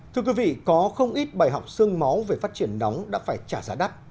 thưa quý vị có không ít bài học sương máu về phát triển nóng đã phải trả giá đắt